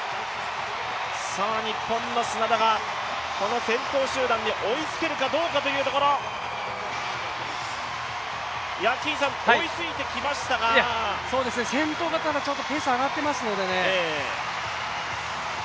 日本の砂田がこの先頭集団に追いつけるかどうかというところ追いついてきましたがただ先頭がちょっとペース上がってますのでね。